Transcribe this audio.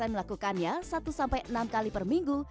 empat puluh tujuh melakukannya satu sampai enam kali per minggu